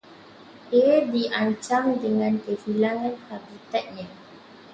Ia diancam dengan kehilangan habitatnya